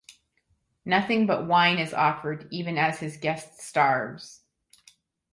Nothing but wine is offered even as his guest starves.